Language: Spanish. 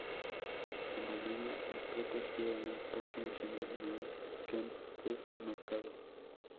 En Bolivia es protegida en el parque nacional Noel Kempff Mercado.